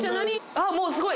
あっもうすごい。